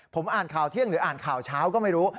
ผมอ่านข่าวเที่ยงหรืออ่านข่าวเช้าก็ไม่รู้